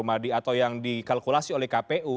atau yang dikalkulasi oleh kpu